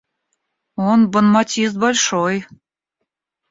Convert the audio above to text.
Он бонмотист большой.